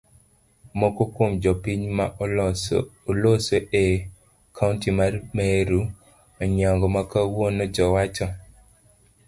Moko kuom jopiny ma oloso e kaunti ma meru onyango makawuono jowacho